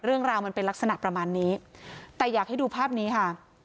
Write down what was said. เรื่องราวมันเป็นลักษณะประมาณนี้แต่อยากให้ดูภาพนี้ค่ะ